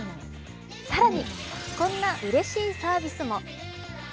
更に、こんなうれしいサービスも。